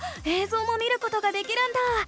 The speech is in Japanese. えいぞうも見ることができるんだ。